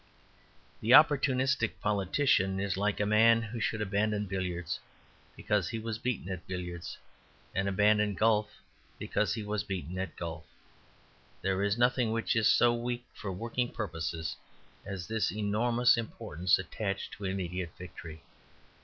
The opportunist politician is like a man who should abandon billiards because he was beaten at billiards, and abandon golf because he was beaten at golf. There is nothing which is so weak for working purposes as this enormous importance attached to immediate victory.